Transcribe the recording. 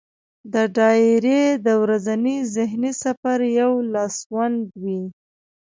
دا ډایري د ورځني ذهني سفر یو لاسوند وي.